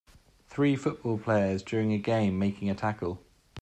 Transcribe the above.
Three football players during a game, making a tackle.